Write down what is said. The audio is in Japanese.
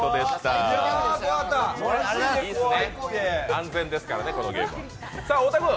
安全ですからね、このゲームは。